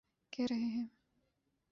کہہ رہے ہیں۔